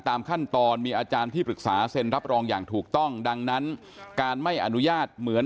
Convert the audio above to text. ตามขั้นตอนมีอาจารย์ที่ปรึกษาเซ็นรับรองอย่างถูกต้องดังนั้นการไม่อนุญาตเหมือน